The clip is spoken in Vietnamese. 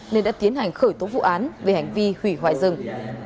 nên đã tiến hành khởi tố vụ án về hành vi hủy hoại rừng